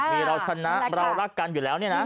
มีเราชนะเรารักกันอยู่แล้วเนี่ยนะ